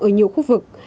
ở nhiều khu vực này